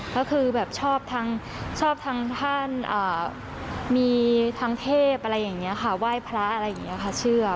ก็คือชอบทั้งท่านเทพหว่ายพระชื่อ